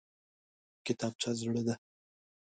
کتابچه زړه ده!